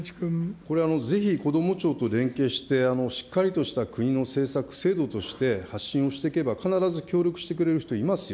これ、ぜひこども庁と連携して、しっかりとした国の政策、制度として発信をしていけば、必ず協力してくれる人、いますよ。